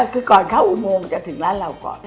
คือก่อนเข้าอุโมงจะถึงร้านเราก่อน